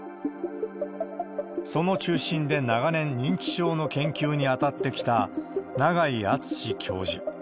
その中心で長年認知症の研究に当たってきた長井篤教授。